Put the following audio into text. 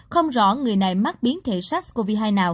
không rõ người này mắc biến thể sars cov hai nào